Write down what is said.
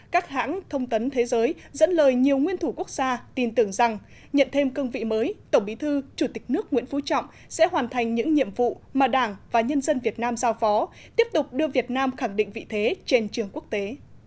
các hãng thông tấn thế giới dẫn lời nhiều nguyên thủ quốc gia tin tưởng rằng nhận thêm cương vị mới tổng bí thư chủ tịch nước nguyễn phú trọng sẽ hoàn thành những nhiệm vụ mà đảng và nhân dân việt nam giao phó tiếp tục đưa việt nam khẳng định vị thế trên trường quốc tế